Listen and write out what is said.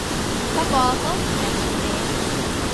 不過都唔係重點